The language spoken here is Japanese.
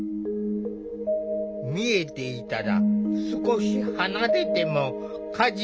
見えていたら少し離れても家事ができること。